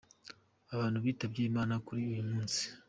Abantu bitabye Imana kuri uyu munsi:.